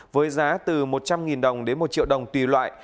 với giá từ một trăm linh đồng đến một triệu đồng tùy loại